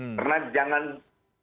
jangan bermain main jangan bergantung